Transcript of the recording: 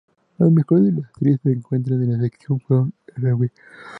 Los mensajes de la actriz se encuentran en la sección "From rw".